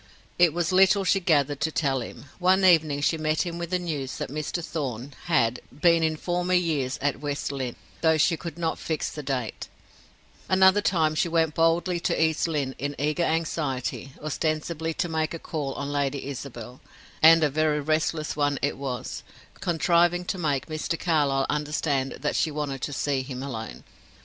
It was little she gathered to tell him; one evening she met him with the news that Mr. Thorn had been in former years at West Lynne, though she could not fix the date; another time she went boldly to East Lynne in eager anxiety, ostensibly to make a call on Lady Isabel and a very restless one it was contriving to make Mr. Carlyle understand that she wanted to see him alone.